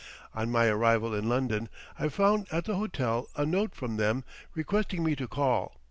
On my arrival in London I found at the hotel a note from them requesting me to call.